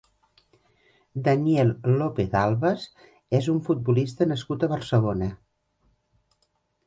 Daniel López Albes és un futbolista nascut a Barcelona.